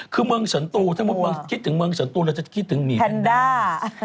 คือเมืองสนตูถ้ามุติเมืองคิดถึงเมืองสนตูเราจะคิดถึงหมีแพนด้า